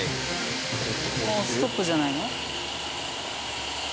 もうストップじゃないの？